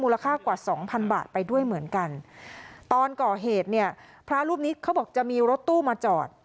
ค่ากว่าสองพันบาทไปด้วยเหมือนกันตอนก่อเหตุเนี่ยพระรูปนี้เขาบอกจะมีรถตู้มาจอด